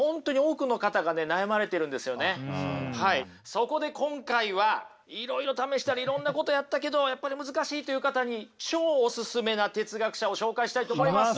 そこで今回はいろいろ試したりいろんなことやったけどやっぱり難しいという方に超おすすめな哲学者を紹介したいと思います。